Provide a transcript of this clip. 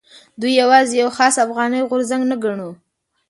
دوی یوازې یو خاص افغاني غورځنګ نه ګڼو.